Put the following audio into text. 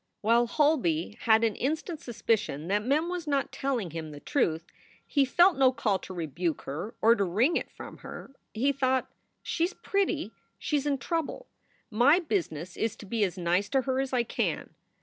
While Holby had an instant suspicion that Mem was not telling him the truth, he felt no call to rebuke her or to wring it from her. He thought: "She s pretty. She s in trouble. My business is to be as nice to her as I can."